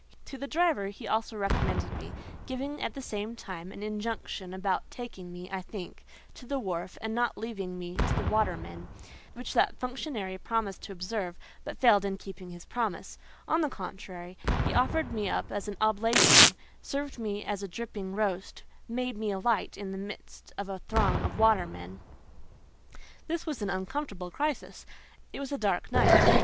To the driver he also recommended me, giving at the same time an injunction about taking me, I think, to the wharf, and not leaving me to the watermen; which that functionary promised to observe, but failed in keeping his promise: on the contrary, he offered me up as an oblation, served me as a dripping roast, making me alight in the midst of a throng of watermen. This was an uncomfortable crisis. It was a dark night.